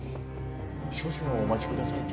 少々お待ちください。